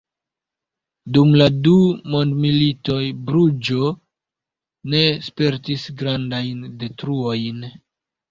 Dum la du mondmilitoj Bruĝo ne spertis grandajn detruojn.